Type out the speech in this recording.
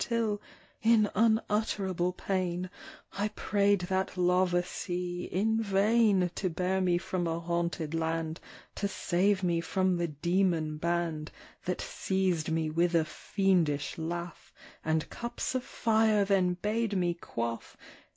Till (in unutterable pain) I prayed that lava sea in vain To bear me from a haunted land. To save me from the demon band. That seized me with a fiendish laugh. And cups of fire then bade me quaff".